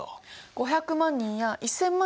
５００万人や１，０００万